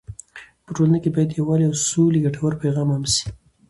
په ټولنه کې باید د یووالي او سولې ګټور پیغام عام سي.